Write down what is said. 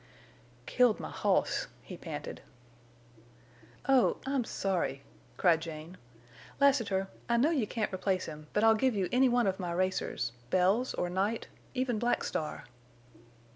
"Killed—my—hoss," he panted. "Oh! I'm sorry," cried Jane. "Lassiter! I know you can't replace him, but I'll give you any one of my racers—Bells, or Night, even Black Star."